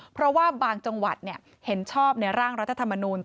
เพราะว่าบางจังหวัดเห็นชอบในร่างรัฐธรรมนูล